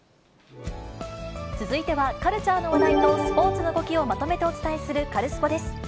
続いてはカルチャーの話題と、話題とスポーツの動きをまとめてお伝えするカルスポっ！です。